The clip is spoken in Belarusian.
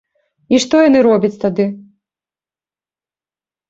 І што яны робяць тады?